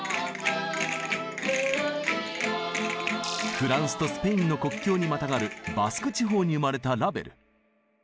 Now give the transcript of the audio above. フランスとスペインの国境にまたがるバスク地方に生まれたラヴェル。